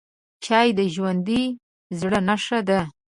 چای د ژوندي زړه نښه ده